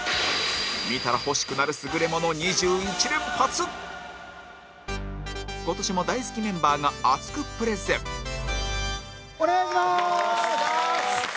見たら欲しくなる優れもの２１連発今年も、大好きメンバーが熱くプレゼン品川：お願いします！